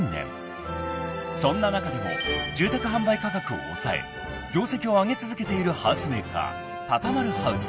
［そんな中でも住宅販売価格を抑え業績を上げ続けているハウスメーカーパパまるハウス］